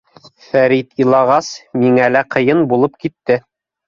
Фәрит илағас, миңә лә ҡыйын булып китте.